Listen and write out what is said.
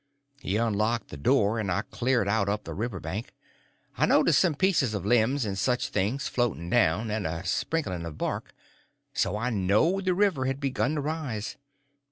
He unlocked the door, and I cleared out up the river bank. I noticed some pieces of limbs and such things floating down, and a sprinkling of bark; so I knowed the river had begun to rise.